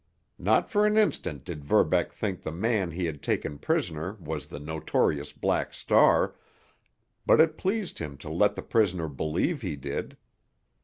Not for an instant did Verbeck think the man he had taken prisoner was the notorious Black Star, but it pleased him to let the prisoner believe he did.